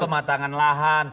sama tangan lahan